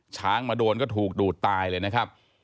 ช้างมาโดนก็ถูกดูดตายเลยนะครับ